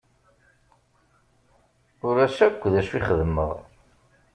Ulac akk d acu i xedmeɣ.